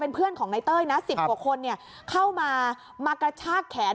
เพื่อนของนายเต้ยนะ๑๐กว่าคนเข้ามามากระชากแขน